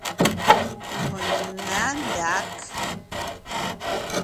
Mèŋ nǎ ndǎg.